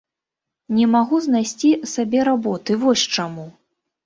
Не магу знайсці сабе работы, вось чаму.